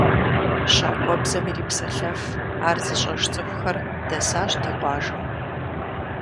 ЩакӀуэбзэм ирипсэлъэф, ар зыщӀэж цӀыхухэр дэсащ ди къуажэм.